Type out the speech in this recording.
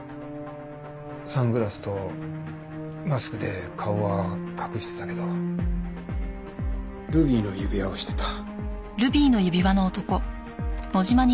サングラスとマスクで顔は隠してたけどルビーの指輪をしてた。